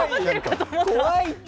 怖いって！